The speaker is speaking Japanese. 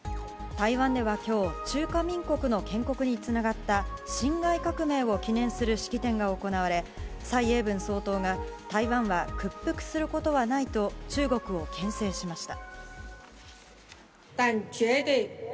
台湾では今日中華民国の建国につながった辛亥革命を記念する式典が行われ蔡英文総統が台湾は屈服することはないと中国を牽制しました。